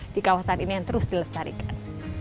di kawasan ini yang terus dilestarikan